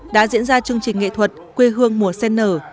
đã diễn ra chương trình nghệ thuật quê hương mùa sen nở